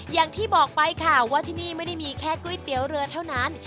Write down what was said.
อย่างที่บอกไปค่ะว่าที่นี่ไม่ได้มีแค่ก๋วยเตี๋ยวเรือเท่านั้น